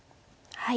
はい。